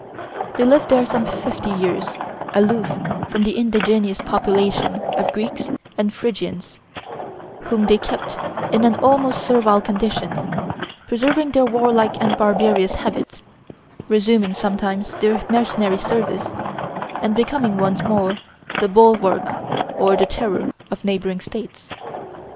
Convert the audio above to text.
They lived there some fifty years, aloof from the indigenous population of Greeks and Phrygians, whom they kept in an almost servile condition, preserving their warlike and barbarous habits, resuming sometimes their mercenary service, and becoming once more the bulwark or the terror of neighboring states.